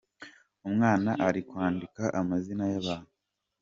Umwana ari kwandika amazina y'abantu.